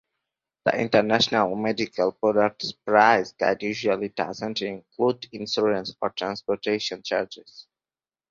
The International Medical Products Price Guide usually does not include insurance or transportation charges.